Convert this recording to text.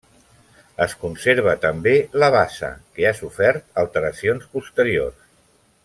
Es conserva també la bassa, que ha sofert alteracions posteriors.